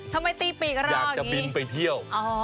ทำไมตีปีกอะไรอยากจะบินไปเที่ยว